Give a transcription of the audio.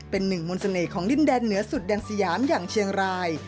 เป็นหนึ่งมนต์เสน่ห์ของดินแดนเหนือสุดแดนสยามอย่างเชียงราย